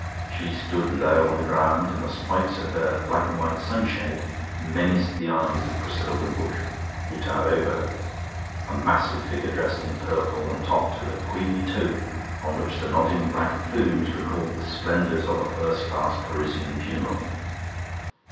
She stood low on the ground, and the spikes of her black and white sunshade menaced the eyes of Priscilla Wimbush, who towered over her a massive figure dressed in purple and topped with a queenly toque on which the nodding black plumes recalled the splendours of a first class Parisian funeral.